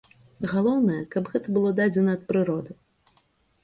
Галоўнае, каб гэта было дадзена ад прыроды.